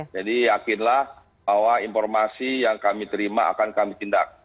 jadi yakinlah bahwa informasi yang kami terima akan kami tindak